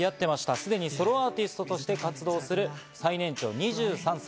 すでにソロアーティストとして活動する最年長２３歳。